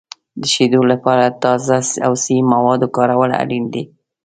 د شیدو لپاره د تازه او صحي موادو کارول اړین دي.